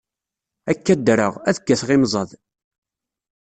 Akka ddreɣ, ad kkateɣ imẓad.